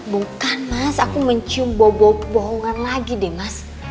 bukan mas aku mencium bohongan lagi mas